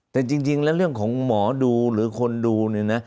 แต่จริงแล้วเรื่องของหมอดูหรือคนดูเนี่ยนะ